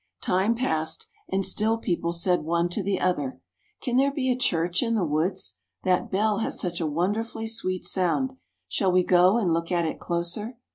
Time passed, and still people said one to the other, " Can there be a church in the woods ! that bell has such a wonderfully sweet sound; shall we go and look at it closer."